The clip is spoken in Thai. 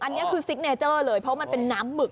อันนี้คือซิกเนเจอร์เลยเพราะมันเป็นน้ำหมึก